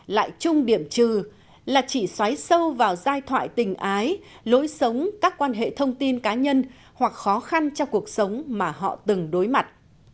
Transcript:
lại chung điểm trừ là chỉ xoáy sâu vào giai thoại tình ái lối sống các quan hệ thông tin cá nhân hoặc khó khăn trong cuộc sống mà họ từng đối mặt